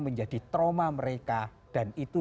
menjadi trauma mereka dan itu